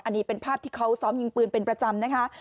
อันนี้เป็นภาพที่เขาซ้อมยิงปืนเป็นประจำนะคะ